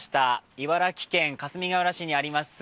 茨城県かすみがうら市にあります